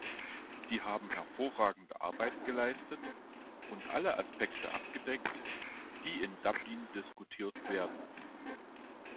Sie haben hervorragende Arbeit geleistet und alle Aspekte abgedeckt, die in Dublin diskutiert werden.